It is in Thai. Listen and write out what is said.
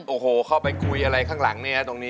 โอ้โหเข้าไปคุยอะไรข้างหลังเนี่ยตรงนี้